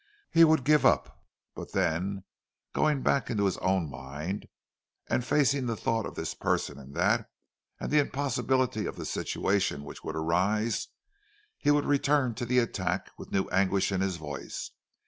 He would give up; but then, going back into his own mind, and facing the thought of this person and that, and the impossibility of the situation which would arise, he would return to the attack with new anguish in his voice.